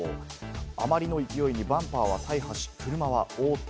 あまりの勢いにバンパーは大破し、車は横転。